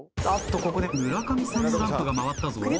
あっとここで村上さんのランプが回ったぞ。